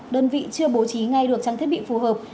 đơn vị chưa bố trí ngay được trang thiết bị phù hợp